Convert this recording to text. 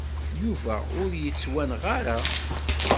Yuba ur yettwanɣa ara.